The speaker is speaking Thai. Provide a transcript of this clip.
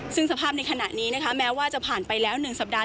ซึ่งสภาพในขณะนี้นะคะแม้ว่าจะผ่านไปแล้ว๑สัปดาห